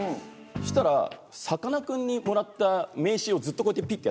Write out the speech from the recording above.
そしたらさかなクンにもらった名刺をずっとこうやってピッ！